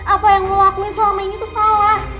apa yang mau lakuin selama ini tuh salah